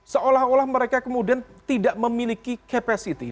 seolah olah mereka kemudian tidak memiliki capacity